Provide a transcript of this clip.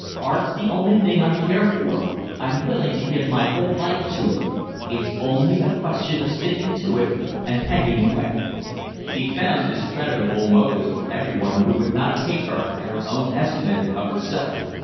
Art's the only thing I care for, I'm willing to give my whole life to it. It's only a question of sticking to it and pegging away." She found discreditable motives for everyone who would not take her at her own estimate of herself.